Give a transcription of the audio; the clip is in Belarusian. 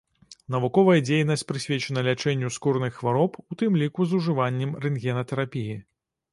Навуковая дзейнасць прысвечана лячэнню скурных хвароб, у тым ліку з ужываннем рэнтгенатэрапіі.